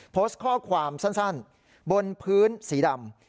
โพสต์ข้อความสั้นบนพื้นสีดำ